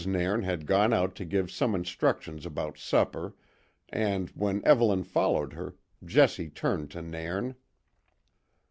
Nairn had gone out to give some instructions about supper and, when Evelyn followed her, Jessie turned to Nairn.